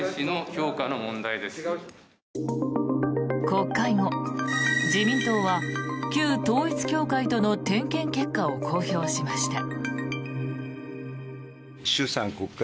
国会後、自民党は旧統一教会との点検結果を公表しました。